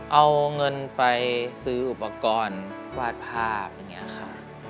เอาเงินไปซื้ออุปกรณ์วาดภาพอย่างนี้ครับ